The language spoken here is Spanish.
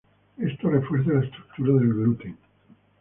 Esto refuerza la estructura del gluten.